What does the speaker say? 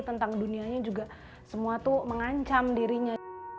tentang dunianya juga semua tuh mengancam dirinya